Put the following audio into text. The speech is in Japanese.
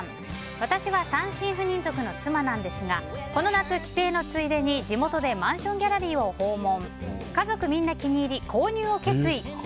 私は単身赴任族の妻なんですがこの夏、帰省のついでに地元でマンションギャラリーを訪問。